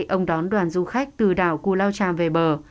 ông đón đoàn du khách từ đảo cù lao tràm về bờ